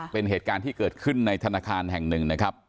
เป็นเหตุการณ์ที่เกิดขึ้นในธนาคารแห่งหนึ่งนะครับ